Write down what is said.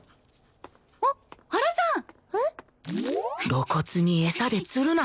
露骨に餌で釣るな！